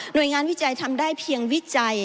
โดยงานวิจัยทำได้เพียงวิจัย